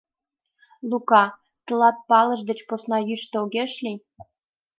— Лука, тылат палышт деч посна йӱштӧ огеш лий?